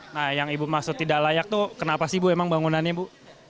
nah yang ibu maksud tidak layak itu kenapa sih bu emang bangunannya bu